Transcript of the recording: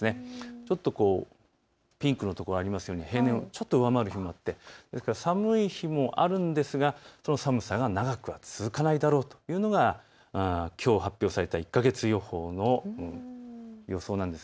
ちょっとピンクのところがあるように平年を上回る程度で寒い日もあるんですがその寒さは長く続かないだろうというのがきょう発表された１か月予報の予想なんです。